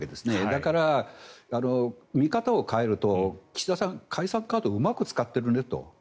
だから、見方を変えると岸田さんは解散カードをうまく使っているねと。